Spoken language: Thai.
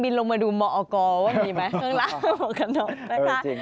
บินลงมาดูเหมาะออกอว่ามีไหมข้างล่างมัวกกะน็อกนะคะ